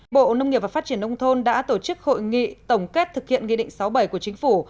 bộ nông nghiệp và phát triển nông thôn đã tổ chức hội nghị tổng kết thực hiện nghị định sáu bảy của chính phủ